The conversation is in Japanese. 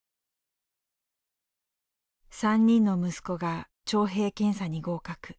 ３人の息子が徴兵検査に合格。